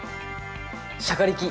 しゃかりき！